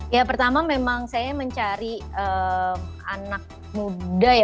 ya pertama memang saya mencari anak muda ya